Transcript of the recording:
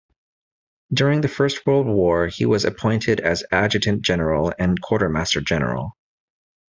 During the First World War he was appointed as adjutant general and quartermaster general.